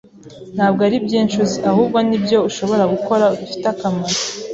Ntabwo ari byinshi uzi, ahubwo nibyo ushobora gukora bifite akamaro.